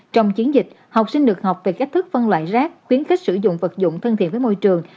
trong chiến dịch học sinh được học về cách thức phân loại rác khuyến khích sử dụng vật dụng thân thiện với môi trường